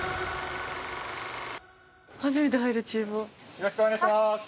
・よろしくお願いします！